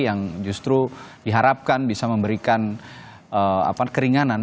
yang justru diharapkan bisa memberikan keringanan